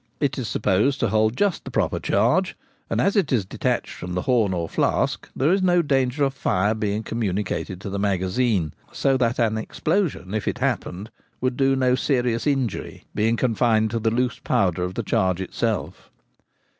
It is supposed to hold just the proper charge, and as it is detached from the horn or flask there is no danger of fire being communicated to the magazine; so that an explosion, if it happened, would do no serious injury, being confined to the loose powder of the charge itself.